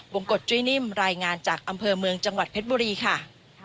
กฎจุ้ยนิ่มรายงานจากอำเภอเมืองจังหวัดเพชรบุรีค่ะ